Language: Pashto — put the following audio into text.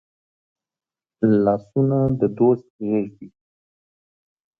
لاسونه د دوست غېږ دي